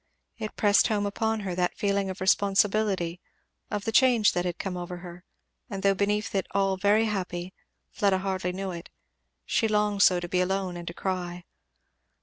It pressed home upon her that feeling of responsibility, of the change that come over her; and though beneath it all very happy, Fleda hardly knew it, she longed so to be alone and to cry.